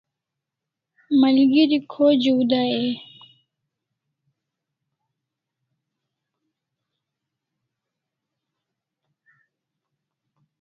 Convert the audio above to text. Malgeri khojiu dai e?